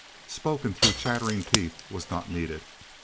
spoken through chattering teeth was not needed.